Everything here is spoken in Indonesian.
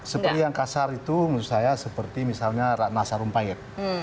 seperti yang kasar itu menurut saya seperti misalnya nasarumpayet